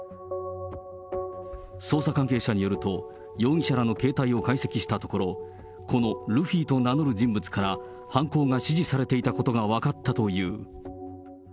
捜査関係者によると、容疑者らの携帯を解析したところ、このルフィと名乗る人物から、犯行が指示されていたことが分かったという。